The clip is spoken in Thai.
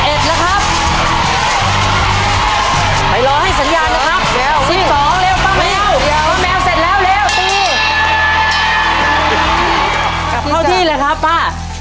กลับเข้าที่เลยครับป้า